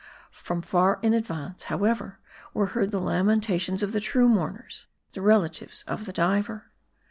From far in advance, how ever, were heard the lamentations of the true mourners, the relatives of the diver.